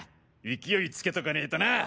勢いつけとかねぇとな。